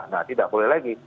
nah tidak boleh lagi